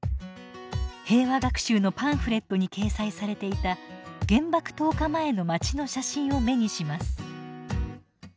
平和学習のパンフレットに掲載されていた原爆投下前の街の写真を目にします。